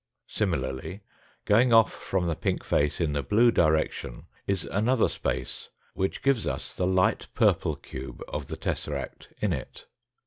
Similarly going off from the pink face in the blue direction is another space, which gives us the light purple cube of the tesseract in it.